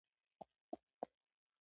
دریشي د خیاط ماهرت ته اړتیا لري.